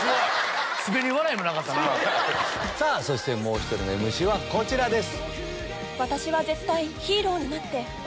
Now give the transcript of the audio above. そしてもう１人のＭＣはこちらです。